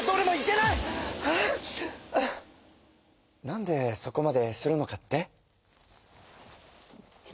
なんでそこまでするのかって？